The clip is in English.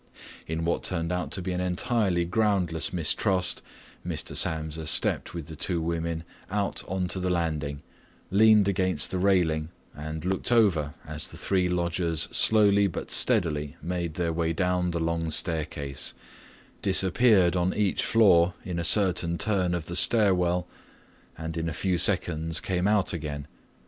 In what turned out to be an entirely groundless mistrust, Mr. Samsa stepped with the two women out onto the landing, leaned against the railing, and looked over as the three lodgers slowly but steadily made their way down the long staircase, disappeared on each floor in a certain turn of the stairwell, and in a few seconds came out again.